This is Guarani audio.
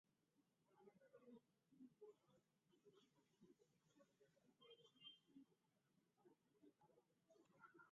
Omombe'uva'ekue chupe ka'aguy oguerekoha imba'eñongatupy.